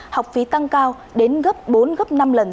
học phí tăng cao đến gấp bốn năm lần